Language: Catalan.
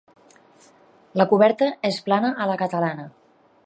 La coberta és plana a la catalana.